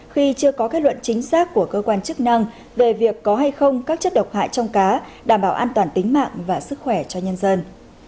khi chưa có kết luận chính xác của cơ quan chức năng về việc có hay không các chất độc hại trong cá đảm bảo an toàn tính mạng và sức khỏe cho nhân dân